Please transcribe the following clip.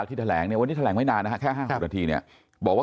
ที่แลงเนี่ยวันนี้แหลมไม่นานหรอฮะแค่ห้างสิบนาทีเนี้ยบอกว่า